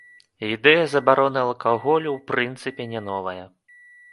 Ідэя забароны алкаголю ў прынцыпе не новая.